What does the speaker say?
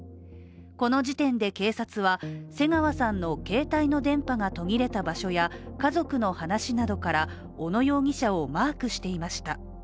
この時点で警察は瀬川さんの携帯の電波が途切れた場所や家族の話などから小野容疑者をマークしていました。